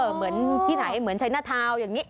เหมือนที่ไหนเหมือนใช้หน้าทาวอย่างนี้